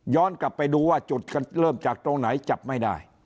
กลับไปดูว่าจุดเริ่มจากตรงไหนจับไม่ได้